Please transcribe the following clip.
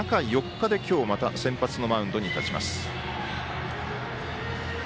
今日また先発のマウンドに立ちます。